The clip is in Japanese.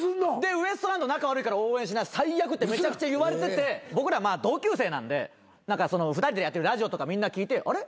ウエストランド仲悪いから応援しない最悪ってめちゃくちゃ言われてて僕ら同級生なんで２人でやってるラジオとかみんな聞いてあれ？